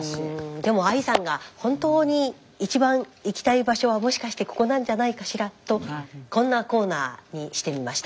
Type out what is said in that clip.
でもＡＩさんが本当に一番行きたい場所はもしかしてここなんじゃないかしらとこんなコーナーにしてみました。